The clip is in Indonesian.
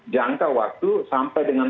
jangka waktu sampai dengan